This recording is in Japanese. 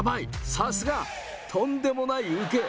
さすが！とんでもないうけ！